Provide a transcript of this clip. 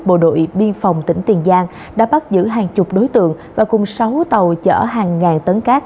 bộ đội biên phòng tỉnh tiền giang đã bắt giữ hàng chục đối tượng và cùng sáu tàu chở hàng ngàn tấn cát